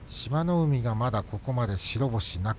海がまだここまで白星なく。